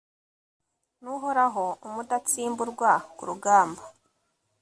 ni uhoraho, umudatsimburwa ku rugamba